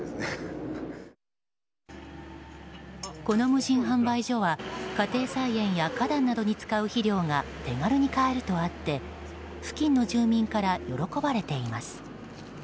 この無人販売所は家庭菜園や花壇などに使う肥料が手軽に買えるとあって付近の住民から喜ばれています。